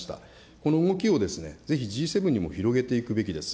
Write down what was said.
この動きをぜひＧ７にも広げていくべきです。